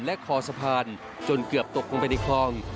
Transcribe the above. และคอสะพานจนเกือบตกลงไปในคลอง